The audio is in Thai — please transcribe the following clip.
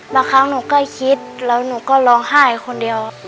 บางครั้งหนูใกล้ชิดแล้วหนูก็ร้องไห้คนเดียว